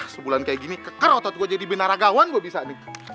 sebulan kayak gini keker otot gue jadi binaragawan gue bisa nih